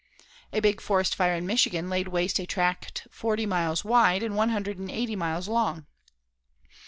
A big forest fire in Michigan laid waste a tract forty miles wide and one hundred and eighty miles long.